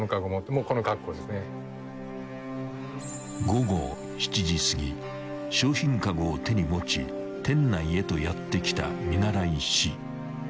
［午後７時すぎ商品かごを手に持ち店内へとやって来た］